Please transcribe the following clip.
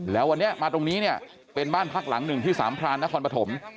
แล้ววันนี้มาตรงนี้เป็นบ้านพักหลัง๑ที่สามพรานณครปฐม